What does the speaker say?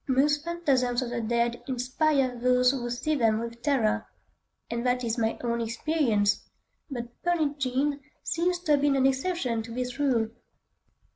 Most phantasms of the dead inspire those who see them with horror,—and that is my own experience,—but "Pearlin' Jean" seems to have been an exception to this rule.